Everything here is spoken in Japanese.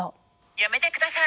やめてください